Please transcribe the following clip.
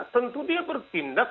tentu dia bertindak